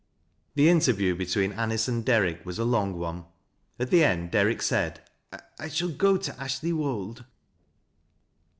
The interview between Anice and Derrick was a long one. At the end Derrick said :^ I shall go to Ashley Wold."